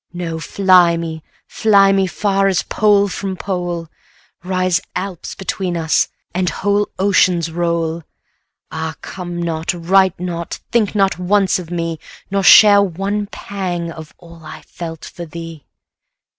No, fly me, fly me, far as pole from pole; Rise Alps between us! and whole oceans roll! 290 Ah, come not, write not, think not once of me, Nor share one pang of all I felt for thee!